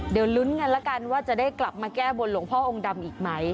เดี๋ยวลุ้นกันแล้วกันว่าจะได้กลับมาแก้บนหลวงพ่อองค์ดำอีกไหม